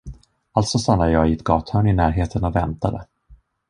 Alltså stannade jag i ett gathörn i närheten och väntade.